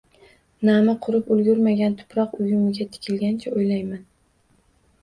Nami qurib ulgurmagan tuproq uyumiga tikilgancha o'ylayman.